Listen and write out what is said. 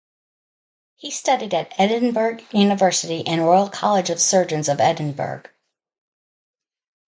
He studied at Edinburgh University and Royal College of Surgeons of Edinburgh.